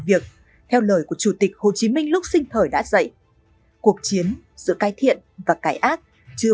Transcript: việc theo lời của chủ tịch hồ chí minh lúc sinh thời đã dạy cuộc chiến sự cải thiện và cải ác chưa